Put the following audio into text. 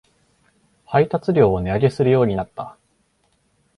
配達料を値上げするようになった